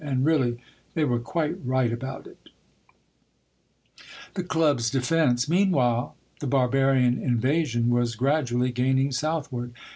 And really, they were quite right about it ! THE CLUB'S DEFENCE. Meanwhile the barbarian invasion was grad ually gaining southward.